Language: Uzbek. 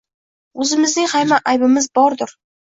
O‘zimizning ham aybimiz bordir?